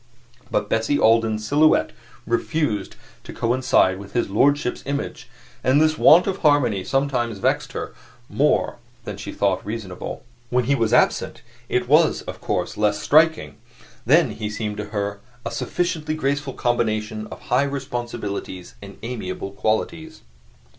But Bessie Alden's silhouette refused to coincide with his lordship's image, and this want of harmony sometimes vexed her more than she thought reasonable. When he was absent it was, of course, less striking; then he seemed to her a sufficiently graceful combination of high responsibilities and amiable qualities.